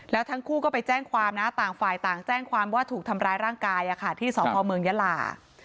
แล้วทั้งคู่ก็ไปแจ้งความนะต่างฝ่ายต่างแจ้งความว่าถูกทำร้ายร่างกายที่สพเมืองยาลา